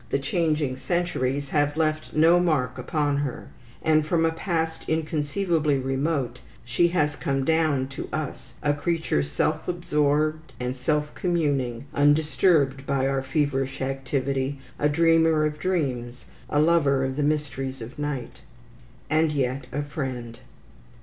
The changing centuries have left no mark upon her; and, from a past inconceivably remote, she has come down to us, a creature self absorbed and self communing, undisturbed by our feverish activity, a dreamer of dreams, a lover of the mysteries of night. And yet a friend.